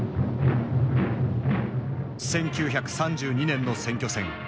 １９３２年の選挙戦。